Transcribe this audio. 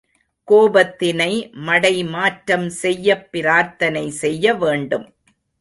கோபத்தினை மடைமாற்றம் செய்யப் பிரார்த்தனை செய்ய வேண்டும்.